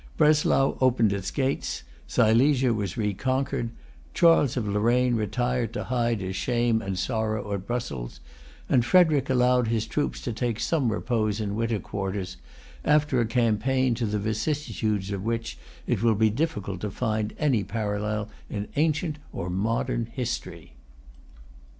Breslau opened its gates; Silesia was reconquered; Charles of Lorraine retired to hide his shame and sorrow at Brussels; and Frederic allowed his troops to take some repose in winter quarters, after a campaign to the vicissitudes of which it will be difficult to find any parallel in ancient or modern history.